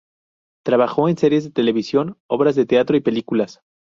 Trabajó en series de televisión, obras de teatro y películas.